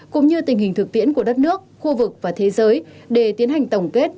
cũng như tình hình thực tiễn của đất nước khu vực và thế giới để tiến hành tổng kết